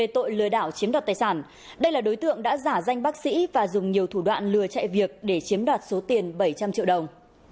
tại đây đối tượng đã giả danh bác sĩ và dùng nhiều thủ đoạn lừa chạy việc để chiếm đoạt số tiền bảy trăm linh triệu đồng